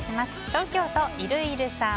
東京都の方。